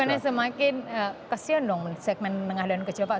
bukannya semakin kesian dong segmen tengah dan kecil pak